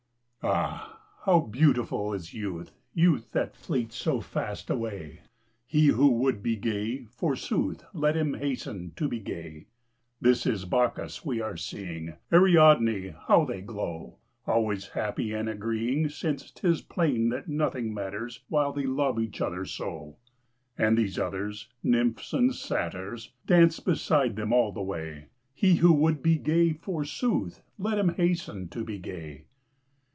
AH, how beautiful is youth, Youth that fleets so fast away 1 He who would be gay, forsooth. Let him hasten to be gay ! This is Bacchus we are seeing, Ariadne — ^how they glow I Always happy and agreeing. Since 'tis plain that nothing matters While they love each other so ; And these others, nymphs and satyrs, Dance beside them all the way : He who would be gay, forsooth, Let him hasten to be gay.